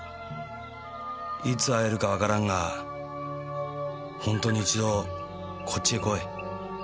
「いつ会えるかわからんがホントに一度こっちへ来い」